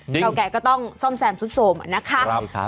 เก่าแก่ก็ต้องซ่อมแซมสุดสมอะนะคะครับครับ